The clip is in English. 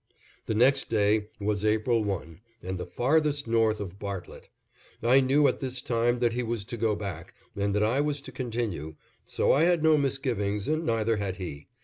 The next day was April 1, and the Farthest North of Bartlett. I knew at this time that he was to go back, and that I was to continue, so I had no misgivings and neither had he.